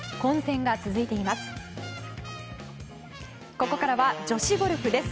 ここからは女子ゴルフです。